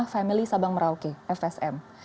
family sabang merauke fsm